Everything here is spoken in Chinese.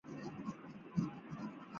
这种癌症常常伴发腹腔积液。